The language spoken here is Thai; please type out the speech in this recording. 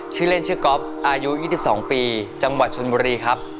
ชื่อเล่นชื่อก๊อฟอายุ๒๒ปีจังหวัดชนบุรีครับ